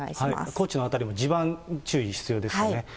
高知の辺りも地盤注意必要ですよね。